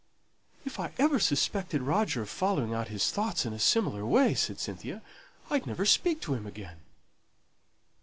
"If I ever suspected Roger of following out his thoughts in a similar way," said Cynthia, "I'd never speak to him again."